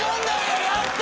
やった。